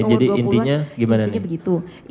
jadi intinya gimana nih jadi intinya